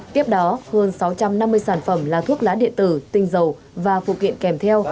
tiếp đó hơn sáu trăm năm mươi sản phẩm là thuốc lá điện tử tinh dầu và phụ kiện kèm theo